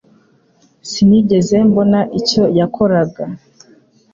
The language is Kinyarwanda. Sinigeze mbona icyo yakoraga